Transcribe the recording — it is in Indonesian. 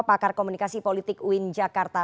pakar komunikasi politik uin jakarta